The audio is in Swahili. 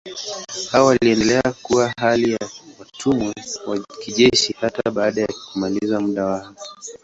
Hao waliendelea kuwa hali ya watumwa wa kijeshi hata baada ya kumaliza muda wao.